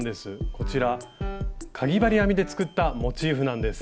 こちらかぎ針編みで作ったモチーフなんです。